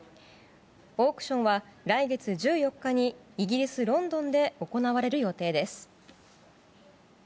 オークションは来月１４日にイギリス・ロンドンで行われる予定です。